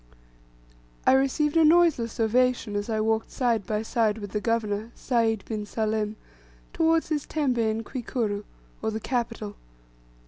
I received a noiseless ovation as I walked side by side with the governor, Sayd bin Salim, towards his tembe in Kwikuru, or the capital.